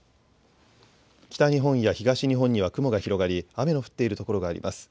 北日本や東日本には雲が広がり雨の降っている所があります。